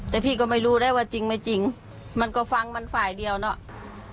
แต่พี่ก็ไม่รู้แล้วว่าจริงมันก็ฟังมันฝ่ายเดียวเนอะ